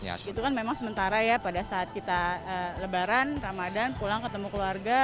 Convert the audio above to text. itu kan memang sementara ya pada saat kita lebaran ramadhan pulang ketemu keluarga